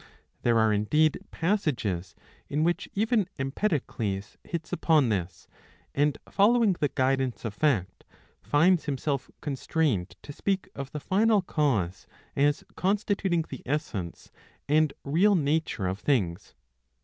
There are indeed passages in which even Empedocles hits upon this, and following the guidance of fact, finds himself constrained to speak of the final cause as constituting the essence and real nature of things.